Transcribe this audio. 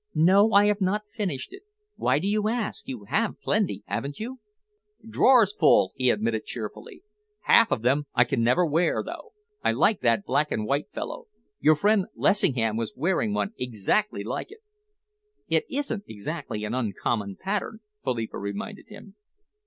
"No, I have not finished it. Why do you ask? You have plenty, haven't you?" "Drawers full," he admitted cheerfully. "Half of them I can never wear, though. I like that black and white fellow. Your friend Lessingham was wearing one exactly like it." "It isn't exactly an uncommon pattern," Philippa reminded him.